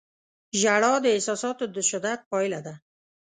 • ژړا د احساساتو د شدت پایله ده.